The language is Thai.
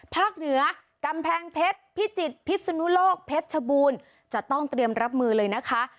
เหนือกำแพงเพชรพิจิตรพิศนุโลกเพชรชบูรณ์จะต้องเตรียมรับมือเลยนะคะ